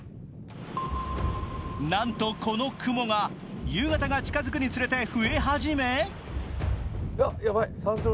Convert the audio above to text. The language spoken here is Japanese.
なんとこの雲が夕方が近づくにつれて増え始め